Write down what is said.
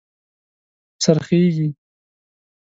خرڅیږې